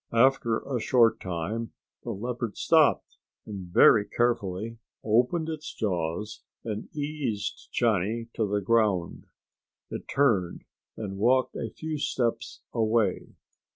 After a short time the leopard stopped and very carefully opened its jaws and eased Johnny to the ground. It turned and walked a few steps away.